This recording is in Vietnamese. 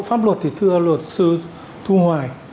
pháp luật thì thưa luật sư thu hoài